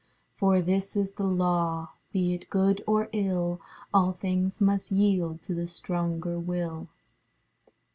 For this is the law: Be it good or ill, All things must yield to the stronger will.